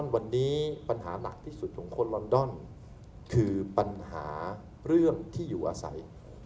วันนี้ปัญหาหนักที่สุดของคนลอนดอนคือปัญหาเรื่องที่อยู่อาศัย